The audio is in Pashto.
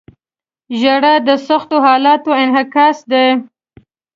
• ژړا د سختو حالاتو انعکاس دی.